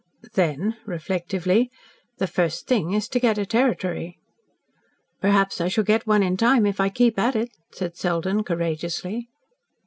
"Then," reflectively, "the first thing is to get a territory." "Perhaps I shall get one in time, if I keep at it," said Selden courageously.